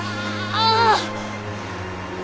ああ！